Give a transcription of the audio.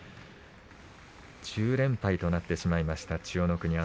１０連敗となってしまいました、千代の国。